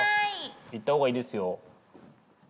行ったほうがいいですよ。